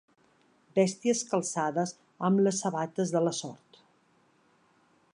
Bèsties calçades amb les sabates de la sort.